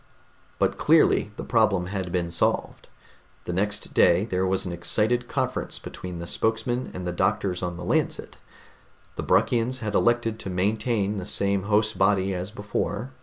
But clearly the problem had been solved. The next day there was an excited conference between the spokesman and the doctors on the Lancet. The Bruckians had elected to maintain the same host body as before.